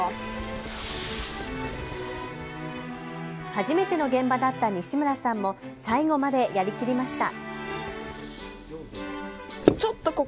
初めての現場だった西村さんも最後までやりきりました。